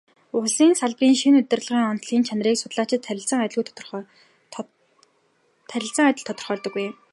Улсын салбарын шинэ удирдлагын онцлог чанарыг судлаачид харилцан адил тодорхойлдоггүй.